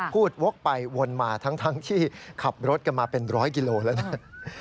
วกไปวนมาทั้งที่ขับรถกันมาเป็นร้อยกิโลแล้วนะ